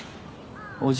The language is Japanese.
おじ？